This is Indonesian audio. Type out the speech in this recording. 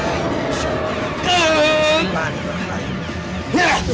aku ajarin tuhan ya pak haar